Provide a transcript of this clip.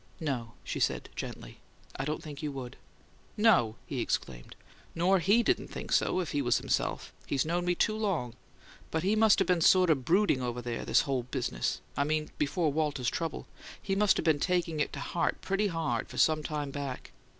"No," she said, gently. "I don't think you would." "No!" he exclaimed. "Nor HE wouldn't think so if he was himself; he's known me too long. But he must been sort of brooding over this whole business I mean before Walter's trouble he must been taking it to heart pretty hard for some time back.